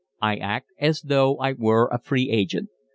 I act as though I were a free agent.